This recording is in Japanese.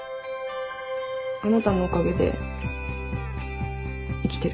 あなたのおかげで生きてる。